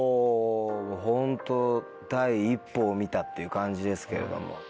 ホント第一歩を見たっていう感じですけれども。